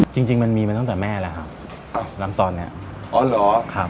จริงจริงมันมีมาตั้งแต่แม่แล้วครับอ้าวน้ำซอนเนี้ยอ๋อเหรอครับ